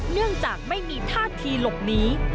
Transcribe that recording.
เนื่องจากไม่มีท่าทีหลบหนี